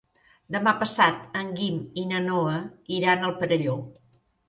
Demà passat en Guim i na Noa iran al Perelló.